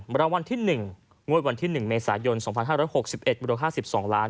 บรรวมวันที่๑งวดวันที่๑เมษายน๒๕๖๑๕๒ล้าน